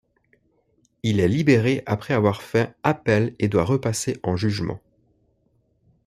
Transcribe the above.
Il est libéré après avoir fait appel et doit repasser en jugement.